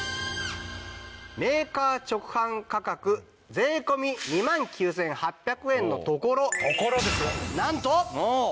メーカー直販価格税込２万９８００円のところなんと。